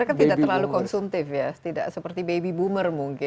karena kan tidak terlalu konsumtif ya tidak seperti baby boomer mungkin